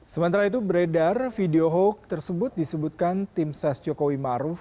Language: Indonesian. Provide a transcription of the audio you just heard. sementara itu beredar video hoax tersebut disebutkan tim ses jokowi maruf